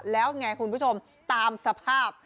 แล้วไงคุณผู้ชมตามสภาพ